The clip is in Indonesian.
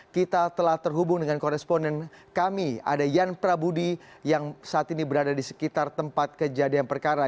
kita telah terhubung dengan koresponden kami ada yan prabudi yang saat ini berada di sekitar tempat kejadian perkara